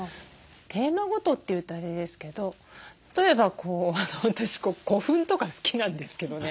テーマごとっていうとあれですけど例えば私古墳とか好きなんですけどね。